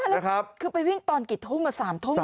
มาแล้วคือไปวิ่งตอนกี่ทุ่มสามทุ่มเลยเหรอ